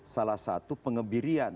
salah satu pengebirian